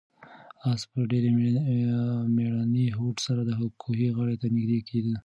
آس په ډېر مېړني هوډ سره د کوهي غاړې ته نږدې کېده.